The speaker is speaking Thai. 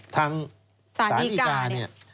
ทางสาธิกาเนี่ย